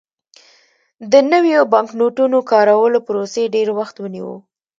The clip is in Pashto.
د نویو بانکنوټونو کارولو پروسې ډېر وخت ونیو.